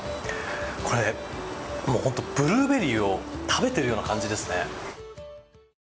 これ、ブルーベリーを食べているような感じですね。